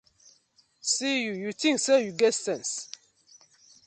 See yu, yu tink say yu get sence.